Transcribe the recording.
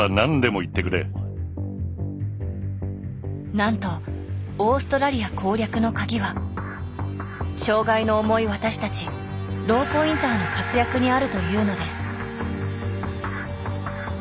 なんとオーストラリア攻略のカギは障がいの重い私たちローポインターの活躍にあるというのです。